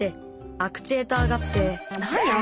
アクチュエーターって。